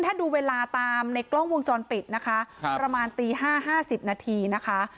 ถ้าดูเวลาตามในกล้องวงจรปิดนะคะประมาณตี๕๕๐นาทีนะคะ